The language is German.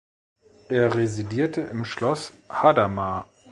Er residierte im Schloss Hadamar.